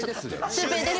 シュウヘイです？